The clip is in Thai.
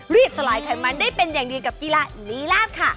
สลายไขมันได้เป็นอย่างดีกับกีฬาลีลาบค่ะ